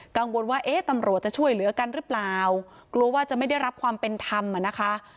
กังวลว่าเอ๊ะตำรวจจะช่วยเหลือกันหรือเปล่ากลัวว่าจะไม่ได้รับความเป็นธรรมอ่ะนะคะ